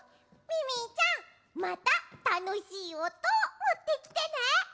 ミミィちゃんまたたのしいおとをもってきてね。